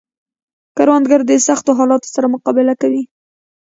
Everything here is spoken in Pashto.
کروندګر د سختو حالاتو سره مقابله کوي